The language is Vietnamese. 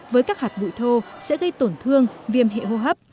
với các hạt bụi thô sẽ gây tổn thương viêm hệ hô hấp